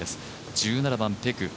１７番、ペク。